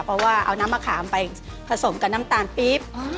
เพราะว่าเอาน้ำมะขามไปผสมกับน้ำตาลปี๊บ